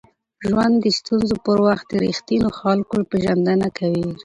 ژوند د ستونزو پر وخت د ریښتینو خلکو پېژندنه کوي.